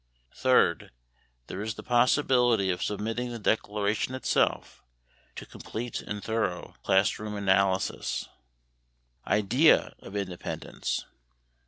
Third, there is the possibility of submitting the Declaration itself to complete and thorough class room analysis. Idea of Independence.